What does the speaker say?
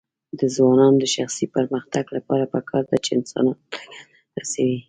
د ځوانانو د شخصي پرمختګ لپاره پکار ده چې انسانانو ته ګټه رسوي.